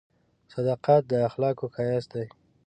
• صداقت د اخلاقو ښایست دی.